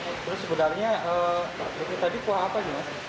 terus sebenarnya itu tadi kuah apa nih